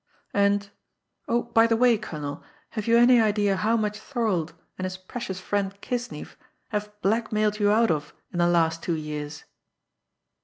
And, oh, by the way, colonel, have you any idea how much Thorold and his precious friend Kisnieff have blackmailed you out of in the last two years?"